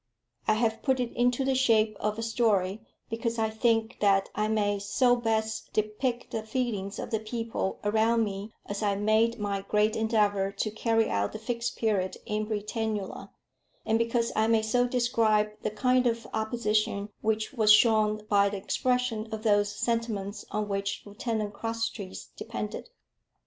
I have put it into the shape of a story, because I think that I may so best depict the feelings of the people around me as I made my great endeavour to carry out the Fixed Period in Britannula, and because I may so describe the kind of opposition which was shown by the expression of those sentiments on which Lieutenant Crosstrees depended.